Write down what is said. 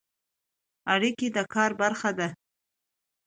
اړیکې د کار برخه ده